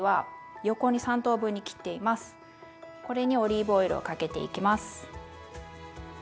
これにオリーブオイルをかけていきます。